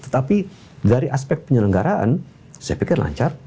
tetapi dari aspek penyelenggaraan saya pikir lancar